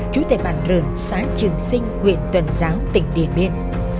trú tại bản rửn xã trường sinh huyện tuần giáo tỉnh điền biên